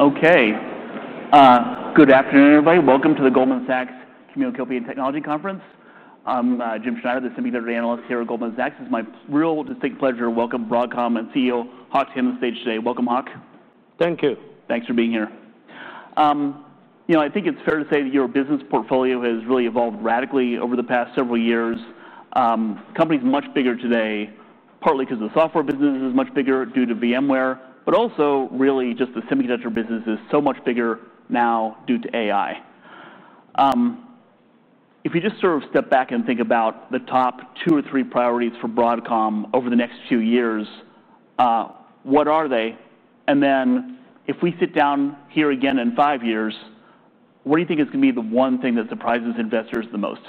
Okay. Good afternoon, everybody. Welcome to the Goldman Sachs Communication and Technology Conference. I'm Jim Schneider, the Senior Analyst here at Goldman Sachs. It's my real distinct pleasure to welcome Broadcom and CEO Hock Tan to the stage today. Welcome, Hock. Thank you. Thanks for being here. I think it's fair to say that your business portfolio has really evolved radically over the past several years. The company is much bigger today, partly because the software business is much bigger due to VMware, but also really just the semiconductor business is so much bigger now due to AI. If you just sort of step back and think about the top two or three priorities for Broadcom over the next few years, what are they? If we sit down here again in five years, what do you think is going to be the one thing that surprises investors the most?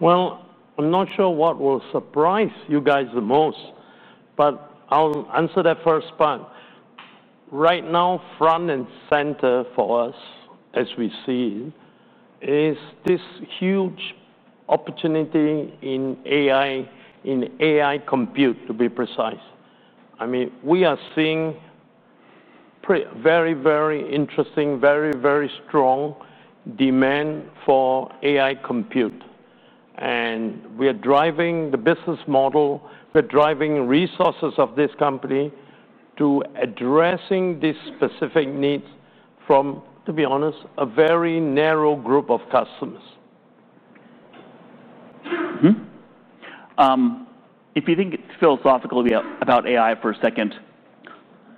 I'm not sure what will surprise you guys the most, but I'll answer that first one. Right now, front and center for us, as we see, is this huge opportunity in AI, in AI compute, to be precise. I mean, we are seeing very, very interesting, very, very strong demand for AI compute. We are driving the business model. We're driving resources of this company to addressing these specific needs from, to be honest, a very narrow group of customers. If you think philosophically about AI for a second,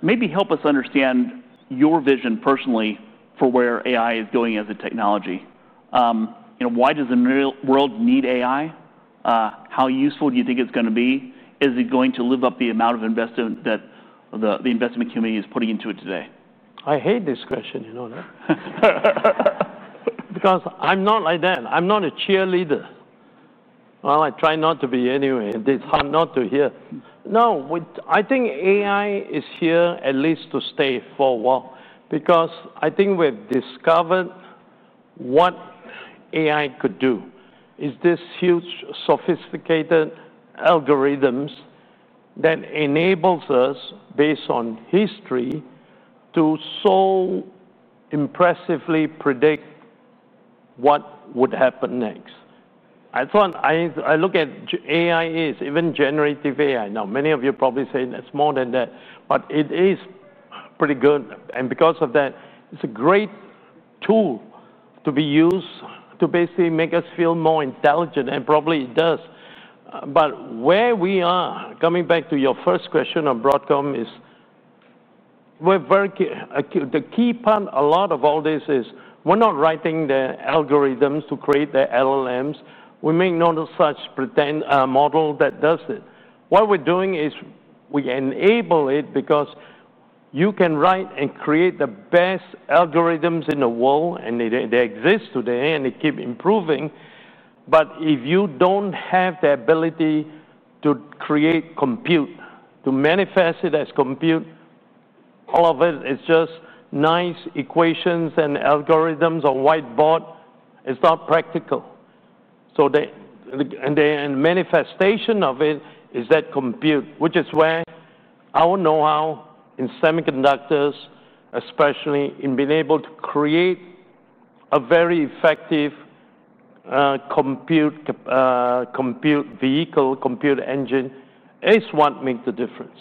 maybe help us understand your vision personally for where AI is going as a technology. Why does the world need AI? How useful do you think it's going to be? Is it going to live up to the amount of investment that the investment community is putting into it today? I hate this question, you know that? Because I'm not like that. I'm not a cheerleader. I try not to be anyway. It's hard not to here. No, I think AI is here at least to stay for a while because I think we've discovered what AI could do. It's this huge, sophisticated algorithm that enables us, based on history, to so impressively predict what would happen next. I thought I look at AI as even generative AI. Now, many of you are probably saying it's more than that, but it is pretty good. Because of that, it's a great tool to be used to basically make us feel more intelligent, and probably it does. Where we are, coming back to your first question on Broadcom, is we're very the key part. A lot of all this is we're not writing the algorithms to create the LLMs. We make no such pretend model that does it. What we're doing is we enable it because you can write and create the best algorithms in the world, and they exist today and they keep improving. If you don't have the ability to create compute, to manifest it as compute, all of it is just nice equations and algorithms on a whiteboard. It's not practical. The manifestation of it is that compute, which is where our know-how in semiconductors, especially in being able to create a very effective compute vehicle, compute engine, is what makes the difference.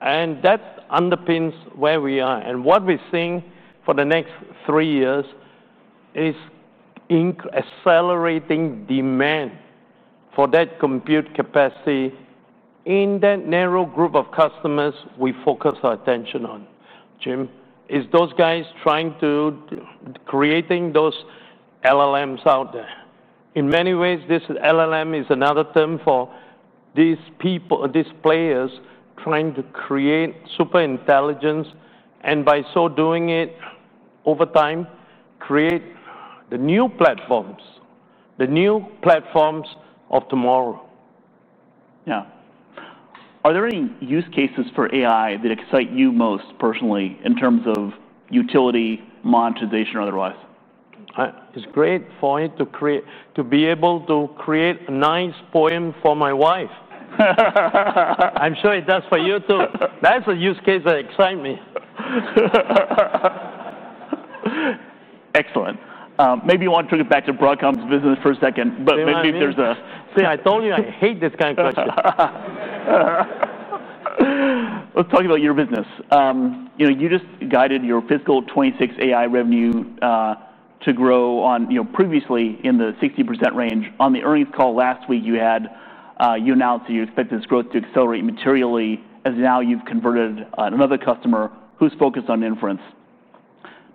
That underpins where we are. What we're seeing for the next three years is accelerating demand for that compute capacity in that narrow group of customers we focus our attention on. Jim, it's those guys trying to create those LLMs out there. In many ways, this LLM is another term for these people, these players trying to create superintelligence and by so doing it over time, create the new platforms, the new platforms of tomorrow. Yeah. Are there any use cases for AI that excite you most personally in terms of utility, monetization, or otherwise? It's great for it to be able to create a nice poem for my wife. I'm sure it does for you too. That's a use case that excites me. Excellent. Maybe you want to take it back to Broadcom's business for a second, but maybe if there's a... See, I told you I hate this kind of question. Let's talk about your business. You just guided your fiscal 2026 AI revenue to grow previously in the 60% range. On the earnings call last week, you announced that you expect this growth to accelerate materially as now you've converted another customer who's focused on inference.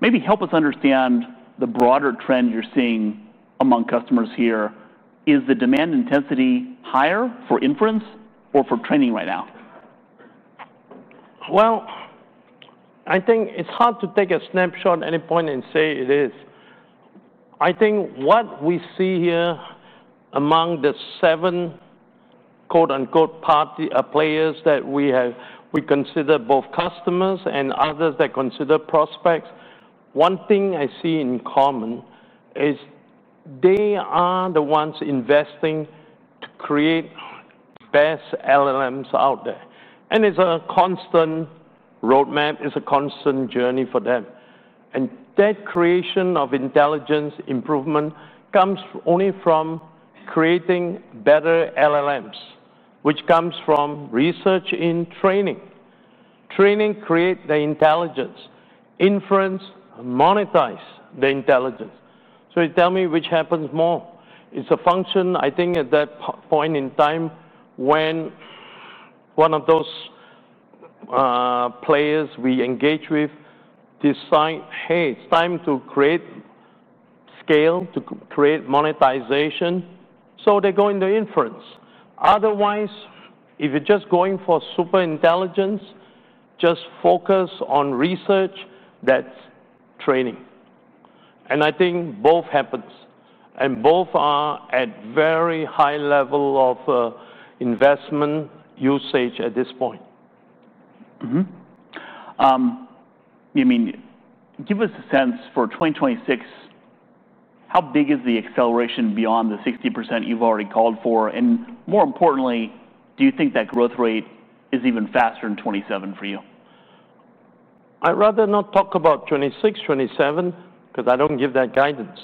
Maybe help us understand the broader trend you're seeing among customers here. Is the demand intensity higher for inference or for training right now? I think it's hard to take a snapshot at any point and say it is. I think what we see here among the seven quote-unquote "players" that we have, we consider both customers and others that consider prospects. One thing I see in common is they are the ones investing to create the best LLMs out there. It's a constant roadmap. It's a constant journey for them. That creation of intelligence improvement comes only from creating better LLMs, which comes from research in training. Training creates the intelligence. Inference monetizes the intelligence. You tell me which happens more. It's a function, I think, at that point in time when one of those players we engage with decides, hey, it's time to create scale, to create monetization. They go into inference. Otherwise, if you're just going for superintelligence, just focus on research, that's training. I think both happen. Both are at a very high level of investment usage at this point. Give us a sense for 2026, how big is the acceleration beyond the 60% you've already called for? More importantly, do you think that growth rate is even faster in 2027 for you? I'd rather not talk about 2026, 2027, because I don't give that guidance.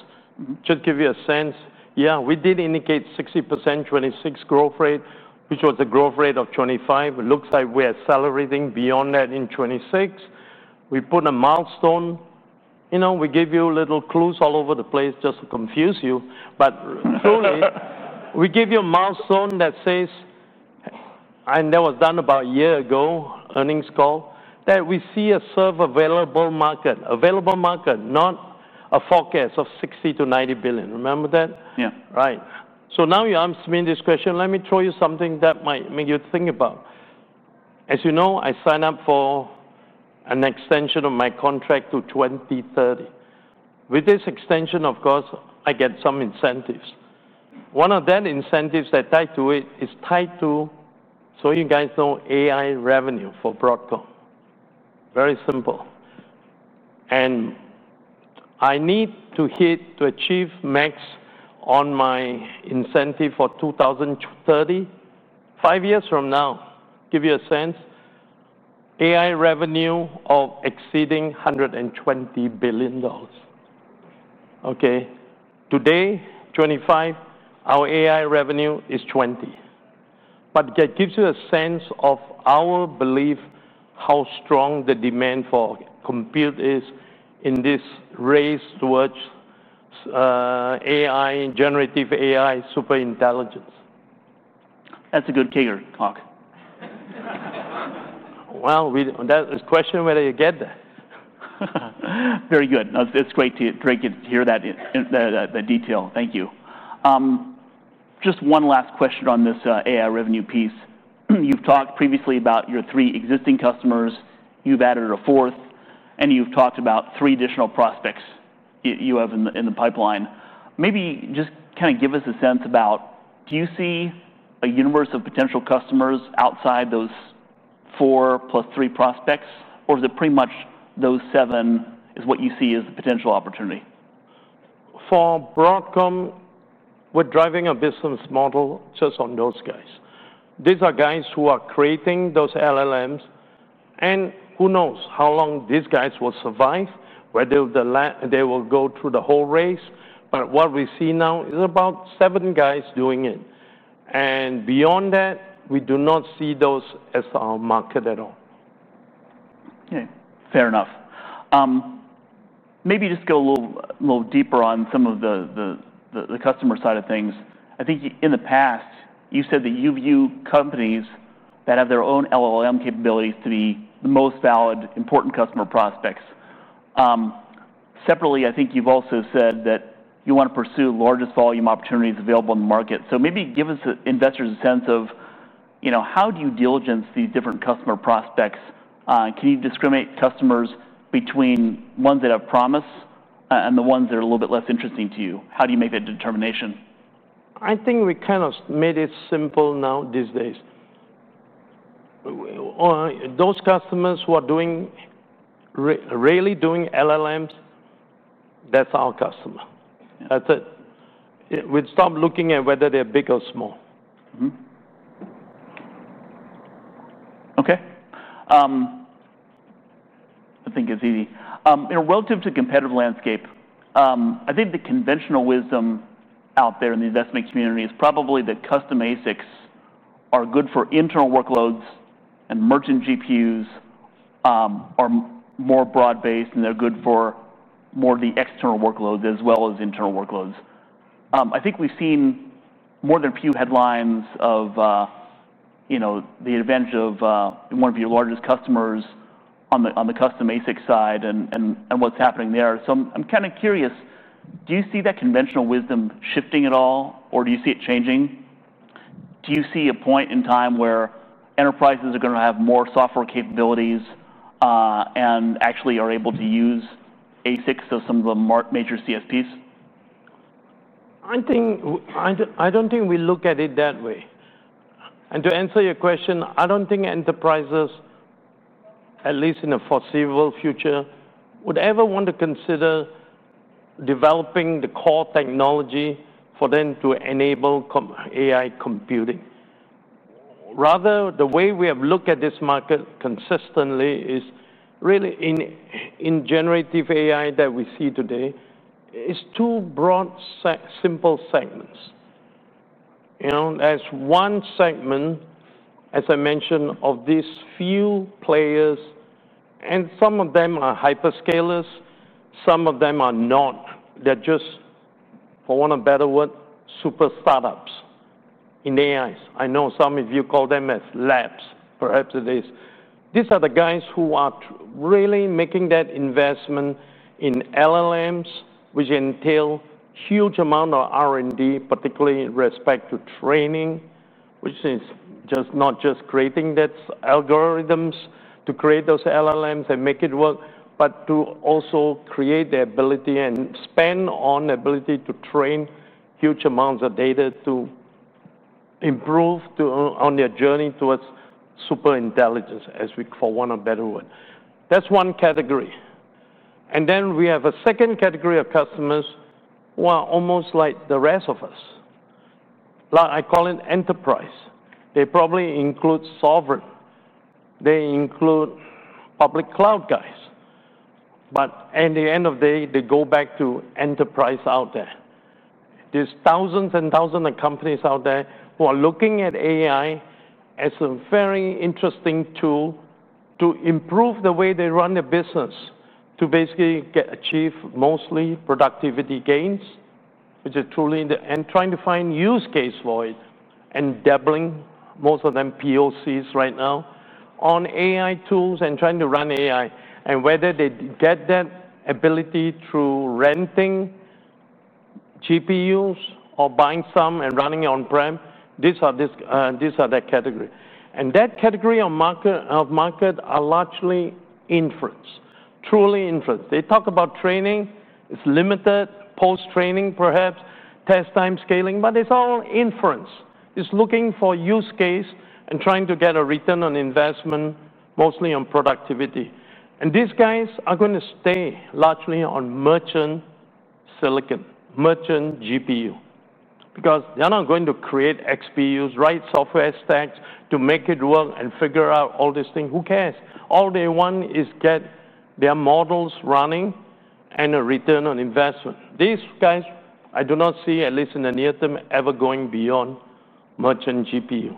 Just to give you a sense, yeah, we did indicate 60% 2026 growth rate, which was the growth rate of 2025. It looks like we're accelerating beyond that in 2026. We put a milestone. You know, we gave you little clues all over the place just to confuse you. Clearly, we gave you a milestone that says, and that was done about a year ago, earnings call, that we see a serve available market. Available market, not a forecast of $60 billion - $90 billion. Remember that? Yeah. Right. You ask me this question. Let me throw you something that might make you think about it. As you know, I signed up for an extension of my contract to 2030. With this extension, of course, I get some incentives. One of the incentives that's tied to it is tied to, so you guys know, AI revenue for Broadcom. Very simple. I need to hit to achieve max on my incentive for 2030, five years from now. Give you a sense, AI revenue of exceeding $120 billion. Today, 2025, our AI revenue is $20 billion. It gives you a sense of our belief, how strong the demand for compute is in this race towards generative AI, superintelligence. That's a good kicker, Hock. That's a question whether you get there. Very good. It's great to hear that in the detail. Thank you. Just one last question on this AI revenue piece. You've talked previously about your three existing customers. You've added a fourth, and you've talked about three additional prospects you have in the pipeline. Maybe just kind of give us a sense about, do you see a universe of potential customers outside those four plus three prospects, or is it pretty much those seven is what you see as the potential opportunity? For Broadcom, we're driving a business model just on those guys. These are guys who are creating those LLMs. Who knows how long these guys will survive, whether they will go through the whole race. What we see now is about seven guys doing it. Beyond that, we do not see those as our market at all. Okay. Fair enough. Maybe just go a little deeper on some of the customer side of things. I think in the past, you said that you view companies that have their own LLM capabilities to be the most valid, important customer prospects. Separately, I think you've also said that you want to pursue the largest volume opportunities available in the market. Maybe give us investors a sense of how do you diligence these different customer prospects? Can you discriminate customers between ones that have promise and the ones that are a little bit less interesting to you? How do you make that determination? I think we kind of made it simple now these days. Those customers who are really doing LLMs, that's our customer. That's it. We start looking at whether they're big or small. Okay. I think it's easy. Relative to the competitive landscape, I think the conventional wisdom out there in the investment community is probably that custom ASICs are good for internal workloads and merchant GPUs are more broad-based and they're good for more of the external workloads as well as internal workloads. I think we've seen more than a few headlines of the advantage of one of your largest customers on the custom ASIC side and what's happening there. I'm kind of curious, do you see that conventional wisdom shifting at all or do you see it changing? Do you see a point in time where enterprises are going to have more software capabilities and actually are able to use ASICs as some of the major CSPs? I don't think we look at it that way. To answer your question, I don't think enterprises, at least in the foreseeable future, would ever want to consider developing the core technology for them to enable AI computing. Rather, the way we have looked at this market consistently is really in generative AI that we see today. It's two broad, simple segments. There's one segment, as I mentioned, of these few players, and some of them are hyperscalers, some of them are not. They're just, for want of a better word, super startups in AI. I know some of you call them as labs, perhaps it is. These are the guys who are really making that investment in LLMs, which entail a huge amount of R&D, particularly in respect to training, which is just not just creating those algorithms to create those LLMs and make it work, but to also create the ability and spend on the ability to train huge amounts of data to improve on their journey towards superintelligence, as we, for want of a better word. That's one category. Then we have a second category of customers who are almost like the rest of us. I call it enterprise. They probably include sovereign. They include public cloud guys. At the end of the day, they go back to enterprise out there. There's thousands and thousands of companies out there who are looking at AI as a very interesting tool to improve the way they run their business, to basically achieve mostly productivity gains, which is truly trying to find use case for it and dabbling, most of them POCs right now, on AI tools and trying to run AI. Whether they get that ability through renting GPUs or buying some and running it on-prem, these are that category. That category of market are largely inference, truly inference. They talk about training. It's limited post-training, perhaps, test time scaling, but it's all inference. It's looking for use case and trying to get a return on investment, mostly on productivity. These guys are going to stay largely on merchant silicon, merchant GPU, because they're not going to create XPUs, write software stacks to make it work and figure out all these things. Who cares? All they want is to get their models running and a return on investment. These guys, I do not see, at least in the near term, ever going beyond merchant GPU.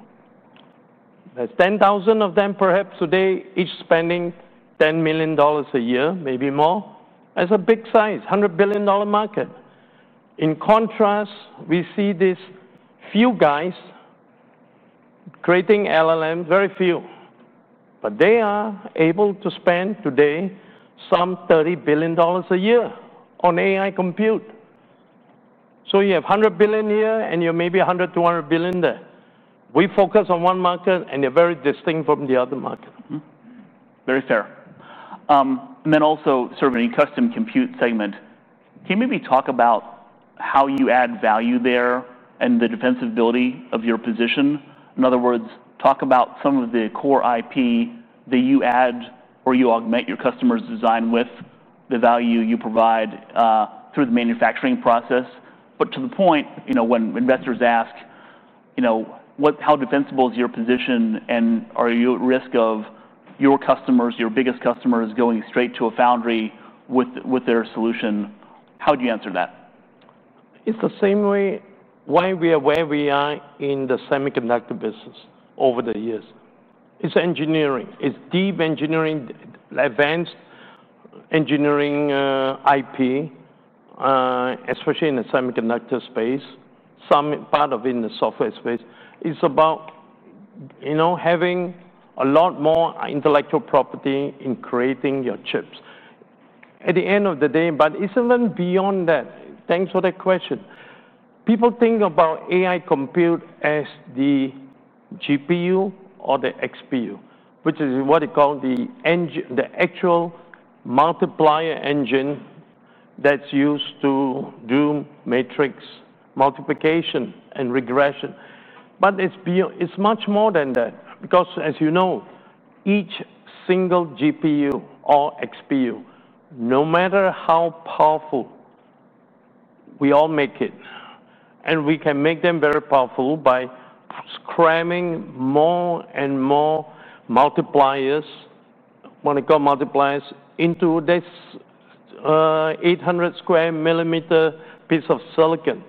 There's 10,000 of them perhaps today, each spending $10 million a year, maybe more. That's a big size, $100 billion market. In contrast, we see these few guys creating LLMs, very few. They are able to spend today some $30 billion a year on AI compute. You have $100 billion here and you're maybe $100 billion, $200 billion there. We focus on one market and they're very distinct from the other market. Very fair. Also serving a custom compute segment, can you maybe talk about how you add value there and the defensibility of your position? In other words, talk about some of the core IP that you add or you augment your customers' design with the value you provide through the manufacturing process. To the point, you know, when investors ask, you know, how defensible is your position and are you at risk of your customers, your biggest customers going straight to a foundry with their solution, how do you answer that? It's the same way where we are in the semiconductor business over the years. It's engineering. It's deep engineering, advanced engineering IP, especially in the semiconductor space, some part of it in the software space. It's about, you know, having a lot more intellectual property in creating your chips. At the end of the day, it's even beyond that. Thanks for that question. People think about AI compute as the GPU or the XPU, which is what they call the actual multiplier engine that's used to do matrix multiplication and regression. It's much more than that because, as you know, each single GPU or XPU, no matter how powerful, we all make it. We can make them very powerful by scrambling more and more multipliers, what I call multipliers, into this 800 sq mm piece of silicon.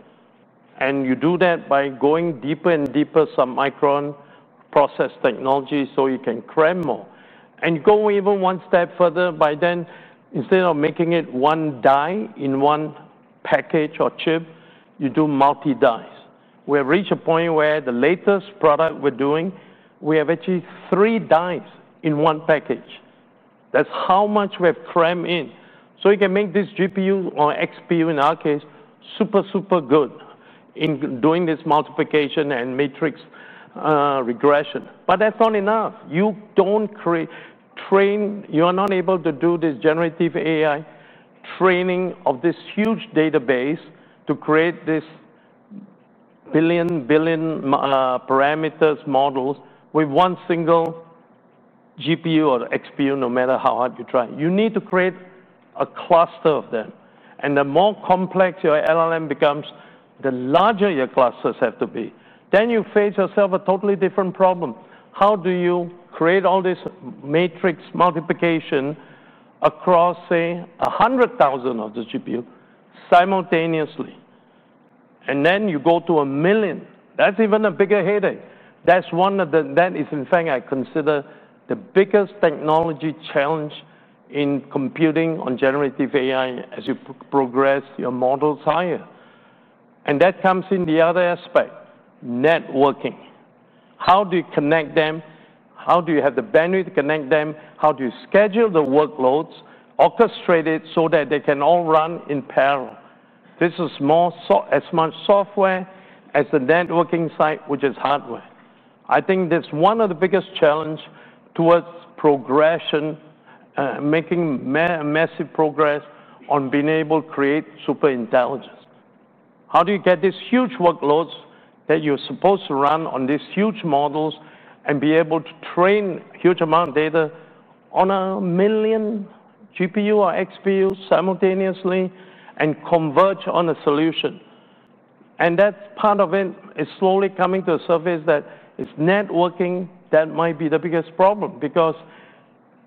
You do that by going deeper and deeper, sub-micron process technology so you can cram more. You go even one step further by then, instead of making it one die in one package or chip, you do multi-dies. We have reached a point where the latest product we're doing, we have actually three dies in one package. That's how much we have crammed in. You can make this GPU or XPU, in our case, super, super good in doing this multiplication and matrix regression. That's not enough. You don't create training. You are not able to do this generative AI training of this huge database to create this billion, billion parameters models with one single GPU or XPU, no matter how hard you try. You need to create a cluster of them. The more complex your LLM becomes, the larger your clusters have to be. You face yourself with a totally different problem. How do you create all this matrix multiplication across, say, 100,000 of the GPU simultaneously? You go to a million. That's even a bigger headache. That's one of the... That is, in fact, I consider the biggest technology challenge in computing on generative AI as you progress your models higher. That comes in the other aspect, networking. How do you connect them? How do you have the bandwidth to connect them? How do you schedule the workloads, orchestrate it so that they can all run in parallel? This is more as much software as the networking side, which is hardware. I think that's one of the biggest challenges towards progression, making massive progress on being able to create superintelligence. How do you get these huge workloads that you're supposed to run on these huge models and be able to train a huge amount of data on a million GPU or XPU simultaneously and converge on a solution? That's part of it. It is slowly coming to the surface that it's networking that might be the biggest problem because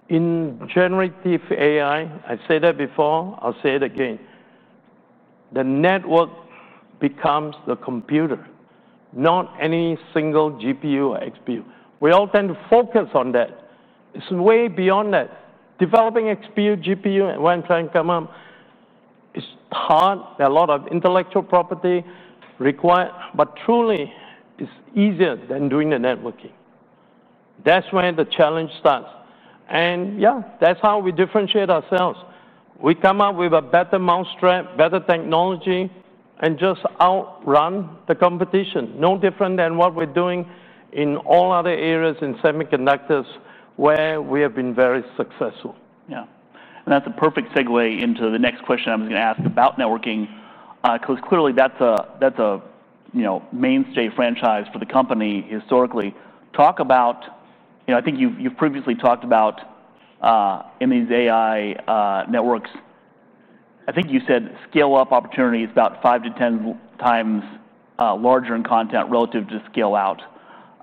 in generative AI, I said that before, I'll say it again. The network becomes the computer, not any single GPU or XPU. We all tend to focus on that. It's way beyond that. Developing XPU, GPU, and when trying to come up, it's hard. There are a lot of intellectual property required, but truly, it's easier than doing the networking. That's where the challenge starts. That's how we differentiate ourselves. We come up with a better mousetrap, better technology, and just outrun the competition. No different than what we're doing in all other areas in semiconductors where we have been very successful. Yeah. That's a perfect segue into the next question I was going to ask about networking because clearly that's a mainstay franchise for the company historically. Talk about, you know, I think you've previously talked about AI networks. I think you said scale-up opportunity is about 5 x-10x larger in content relative to scale-out.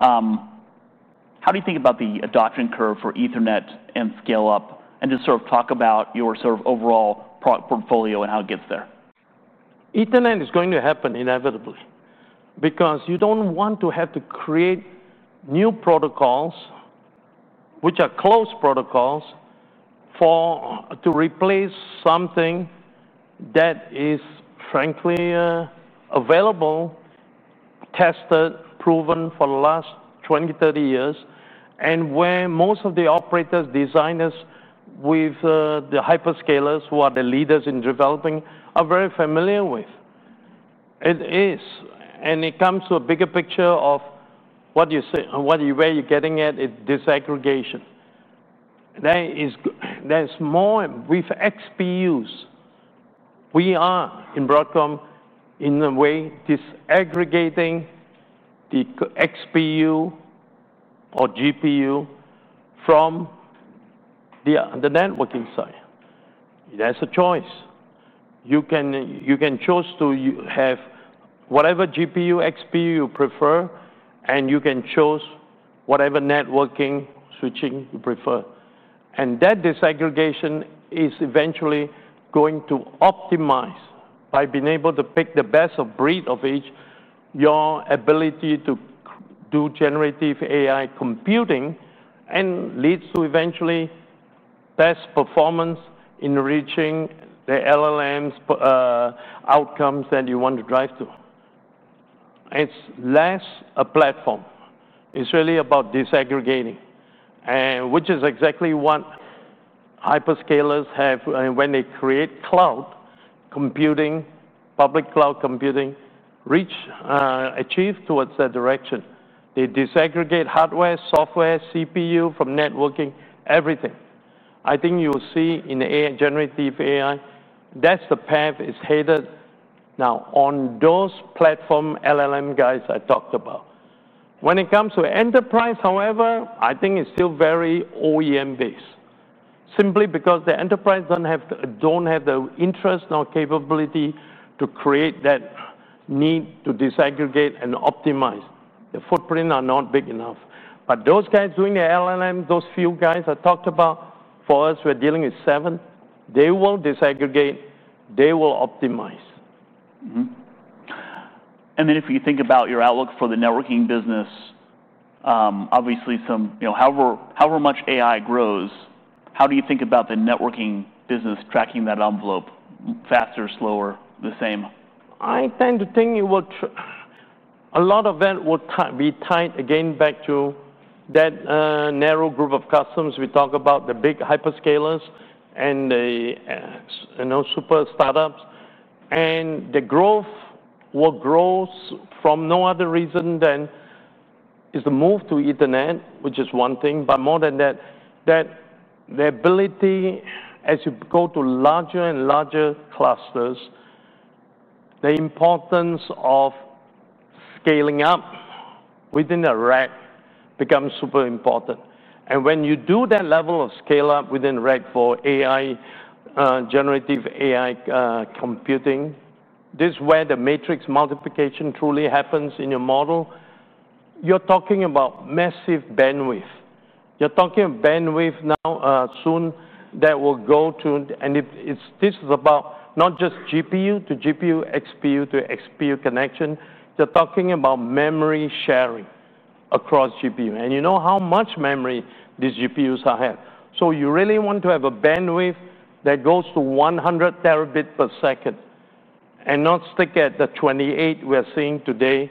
How do you think about the adoption curve for Ethernet and scale-up and just sort of talk about your sort of overall product portfolio and how it gets there? Ethernet is going to happen inevitably because you don't want to have to create new protocols, which are closed protocols, to replace something that is frankly available, tested, proven for the last 20, 30 years, and where most of the operators, designers with the hyperscalers who are the leaders in developing are very familiar with. It is. It comes to a bigger picture of what you say, where you're getting at is disaggregation. There's more with XPUs. We are in Broadcom in a way disaggregating the XPU or GPU from the networking side. That's a choice. You can choose to have whatever GPU, XPU you prefer, and you can choose whatever networking switching you prefer. That disaggregation is eventually going to optimize by being able to pick the best of breed of each, your ability to do generative AI computing and leads to eventually best performance in reaching the LLMs outcomes that you want to drive to. It's less a platform. It's really about disaggregating, which is exactly what hyperscalers have when they create cloud computing, public cloud computing, reach, achieve towards that direction. They disaggregate hardware, software, CPU from networking, everything. I think you will see in the generative AI, that's the path it's headed now on those platform LLM guys I talked about. When it comes to enterprise, however, I think it's still very OEM-based simply because the enterprise don't have the interest nor capability to create that need to disaggregate and optimize. The footprints are not big enough. Those guys doing the LLM, those few guys I talked about, for us, we're dealing with seven. They will disaggregate. They will optimize. If you think about your outlook for the networking business, obviously some, you know, however much AI grows, how do you think about the networking business tracking that envelope faster, slower, the same? I tend to think a lot of that will be tied again back to that narrow group of customers we talk about, the big hyperscalers and the super startups. The growth will grow from no other reason than it's the move to Ethernet, which is one thing. More than that, the ability, as you go to larger and larger clusters, the importance of scaling up within the rack becomes super important. When you do that level of scale-up within rack for AI, generative AI computing, this is where the matrix multiplication truly happens in your model. You're talking about massive bandwidth. You're talking about bandwidth now soon that will go to, and this is about not just GPU to GPU, XPU to XPU connection. You're talking about memory sharing across GPU. You know how much memory these GPUs have. You really want to have a bandwidth that goes to 100 Tbps and not stick at the 28 we're seeing today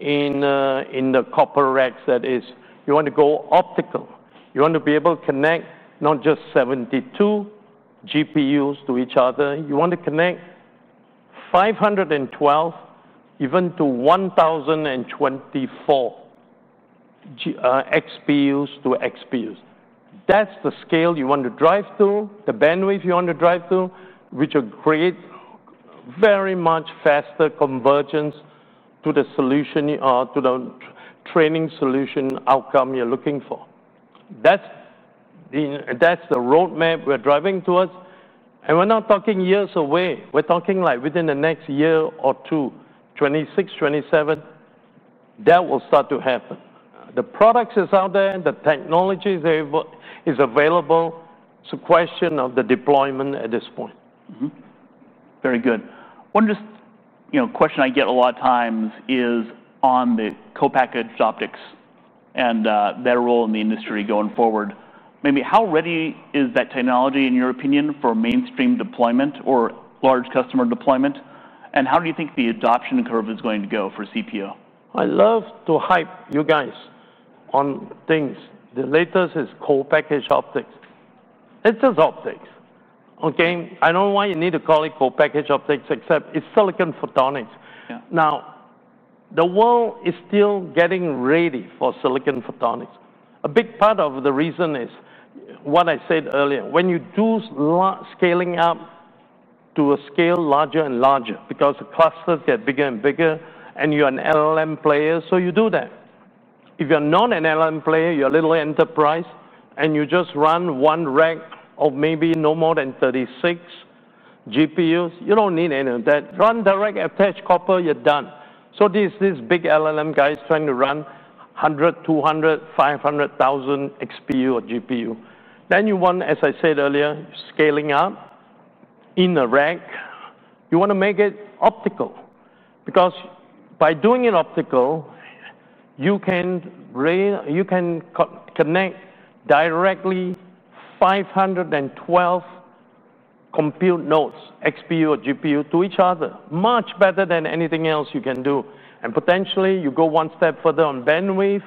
in the copper racks. You want to go optical. You want to be able to connect not just 72 GPUs to each other. You want to connect 512, even to 1,024 XPUs to XPUs. That's the scale you want to drive to, the bandwidth you want to drive to, which will create very much faster convergence to the solution or to the training solution outcome you're looking for. That's the roadmap we're driving towards. We're not talking years away. We're talking like within the next year or two, 2026, 2027, that will start to happen. The product is out there. The technology is available. It's a question of the deployment at this point. Very good. One question I get a lot of times is on the copackaged optics and their role in the industry going forward. Maybe how ready is that technology, in your opinion, for mainstream deployment or large customer deployment? How do you think the adoption curve is going to go for CPU? I love to hype you guys on things. The latest is copackaged optics. It's just optics. Okay. I don't know why you need to call it copackaged optics, except it's silicon photonics. Now, the world is still getting ready for silicon photonics. A big part of the reason is what I said earlier. When you do scaling up to a scale larger and larger, because the clusters get bigger and bigger and you're an LLM player, you do that. If you're not an LLM player, you're a little enterprise and you just run one rack of maybe no more than 36 GPUs, you don't need any of that. Run direct, attach copper, you're done. These big LLM guys trying to run 100, 200, 500,000 XPU or GPU, you want, as I said earlier, scaling up in a rack. You want to make it optical because by doing it optical, you can connect directly 512 compute nodes, XPU or GPU to each other, much better than anything else you can do. Potentially, you go one step further on bandwidth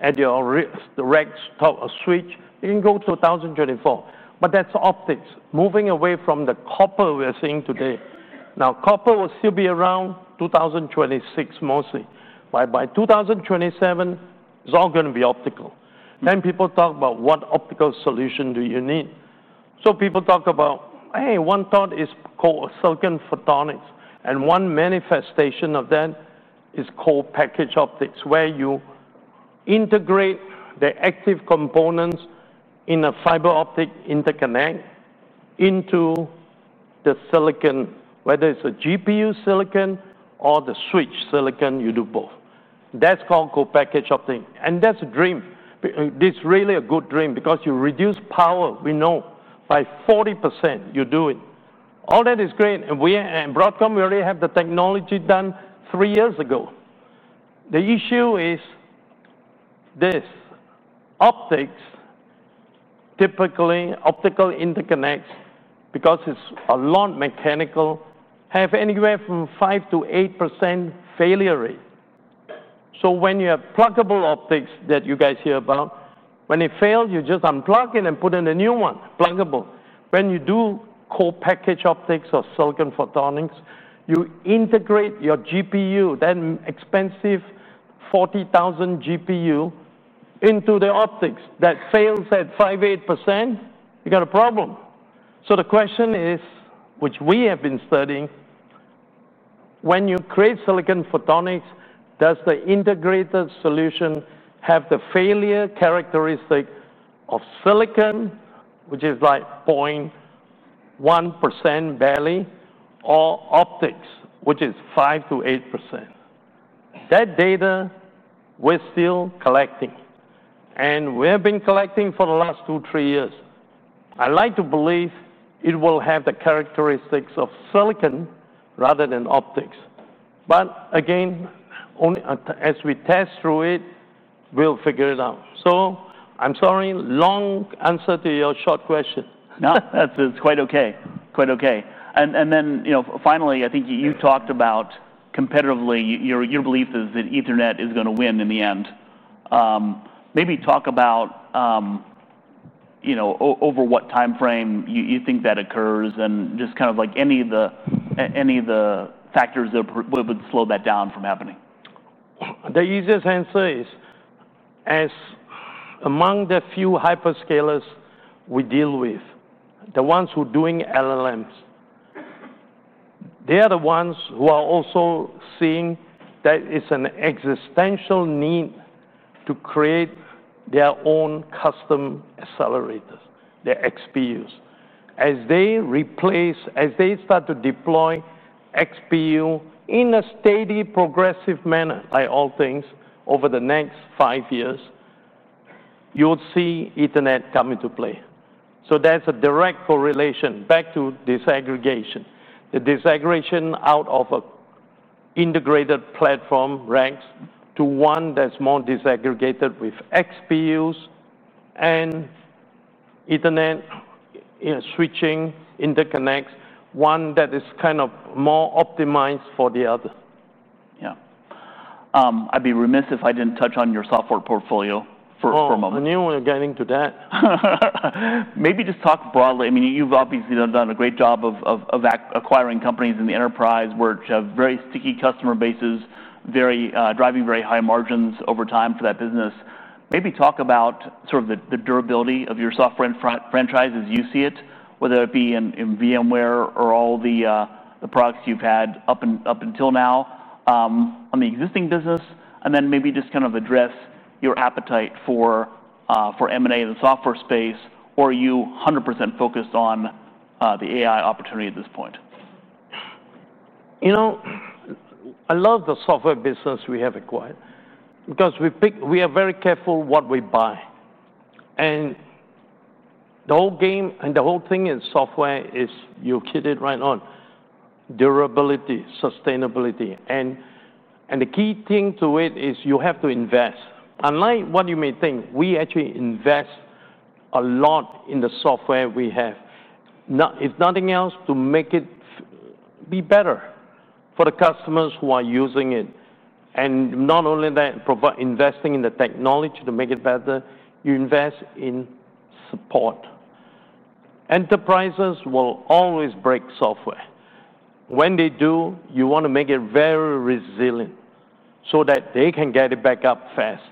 at your rack top of switch. You can go to 1,024. That's optics, moving away from the copper we're seeing today. Copper will still be around 2026 mostly. By 2027, it's all going to be optical. People talk about what optical solution you need. People talk about, hey, one thought is called silicon photonics. One manifestation of that is called copackaged optics, where you integrate the active components in a fiber optic interconnect into the silicon, whether it's a GPU silicon or the switch silicon, you do both. That's called copackaged optics. That's a dream. It's really a good dream because you reduce power, we know, by 40%. You do it. All that is great. We at Broadcom, we already have the technology done three years ago. The issue is this. Optics, typically optical interconnects, because it's a lot mechanical, have anywhere from 5% - 8% failure rate. When you have pluggable optics that you guys hear about, when it fails, you just unplug it and put in a new one, pluggable. When you do copackaged optics or silicon photonics, you integrate your GPU, that expensive $40,000 GPU into the optics. That fails at 5%, 8%, you got a problem. The question is, which we have been studying, when you create silicon photonics, does the integrated solution have the failure characteristic of silicon, which is like 0.1% barely, or optics, which is 5% - 8%? That data we're still collecting. We have been collecting for the last two, three years. I like to believe it will have the characteristics of silicon rather than optics. Only as we test through it, we'll figure it out. I'm sorry, long answer to your short question. No, it's quite OK. It's quite OK. Finally, I think you talked about competitively, your belief is that Ethernet is going to win in the end. Maybe talk about over what time frame you think that occurs and just kind of like any of the factors that would slow that down from happening. The easiest answer is, as among the few hyperscalers we deal with, the ones who are doing LLMs, they are the ones who are also seeing that it's an existential need to create their own custom accelerators, their XPUs. As they replace, as they start to deploy XPU in a steady, progressive manner, like all things, over the next five years, you'll see Ethernet come into play. That's a direct correlation back to disaggregation. The disaggregation out of an integrated platform ranks to one that's more disaggregated with XPUs and Ethernet switching interconnects, one that is kind of more optimized for the other. Yeah, I'd be remiss if I didn't touch on your software portfolio for a moment. I knew we were getting to that. Maybe just talk broadly. You've obviously done a great job of acquiring companies in the enterprise which have very sticky customer bases, driving very high margins over time for that business. Maybe talk about sort of the durability of your software and franchise as you see it, whether it be in VMware or all the products you've had up until now on the existing business. Maybe just kind of address your appetite for M&A in the software space. Are you 100% focused on the AI opportunity at this point? You know, I love the software business we have acquired because we are very careful what we buy. The whole game and the whole thing in software is you hit it right on. Durability, sustainability. The key thing to it is you have to invest. Unlike what you may think, we actually invest a lot in the software we have, if nothing else, to make it be better for the customers who are using it. Not only that, investing in the technology to make it better, you invest in support. Enterprises will always break software. When they do, you want to make it very resilient so that they can get it back up fast.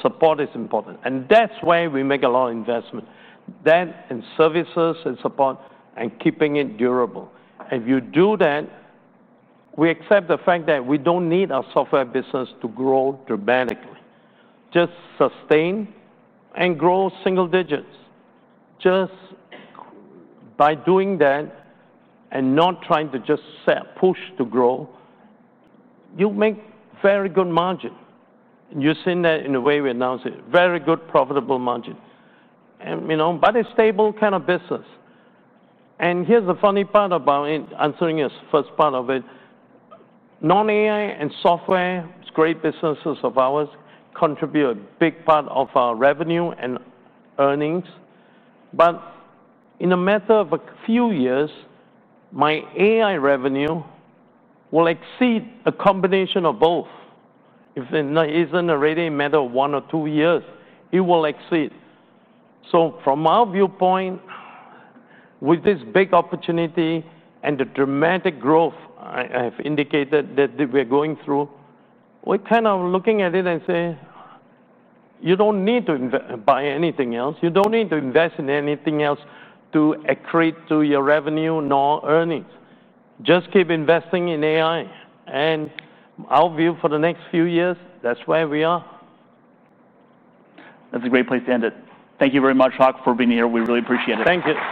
Support is important. That's where we make a lot of investment, that and services and support and keeping it durable. If you do that, we accept the fact that we don't need our software business to grow dramatically, just sustain and grow single digits. Just by doing that and not trying to just push to grow, you make very good margin. You've seen that in a way we announced it. Very good, profitable margin. You know, it's a stable kind of business. Here's the funny part about answering this first part of it. Non-AI and software, it's great businesses of ours, contribute a big part of our revenue and earnings. In a matter of a few years, my AI revenue will exceed a combination of both. If it isn't already, in a matter of one or two years, it will exceed. From our viewpoint, with this big opportunity and the dramatic growth I have indicated that we're going through, we're kind of looking at it and saying, you don't need to buy anything else. You don't need to invest in anything else to accrete your revenue nor earnings. Just keep investing in AI. Our view for the next few years, that's where we are. That's a great place to end it. Thank you very much, Hock, for being here. We really appreciate it. Thanks.